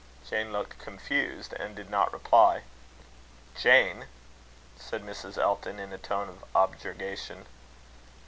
Jane looked confused, and did not reply. "Jane!" said Mrs. Elton, in a tone of objurgation.